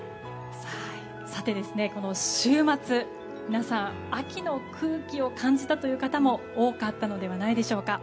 さて、この週末皆さん、秋の空気を感じたという方も多かったのではないのでしょうか。